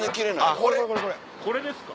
これですか？